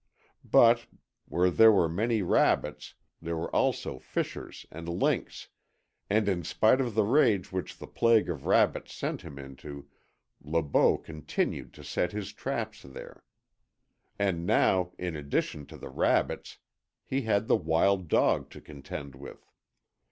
But, where there were many rabbits there were also fishers and lynx, and in spite of the rage which the plague of rabbits sent him into, Le Beau continued to set his traps there. And now, in addition to the rabbits, he had the wild dog to contend with.